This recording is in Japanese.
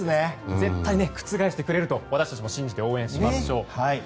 絶対覆してくれると私たちも信じて応援しましょう。